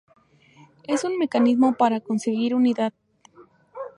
Es un mecanismo para conseguir unidad.